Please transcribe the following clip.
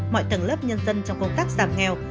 mọi tầng lớp nhân dân trong công tác giảm nghèo